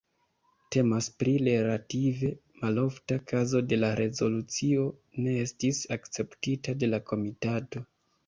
Temas pri relative malofta kazo ke la rezolucio ne estis akceptita de la komitato.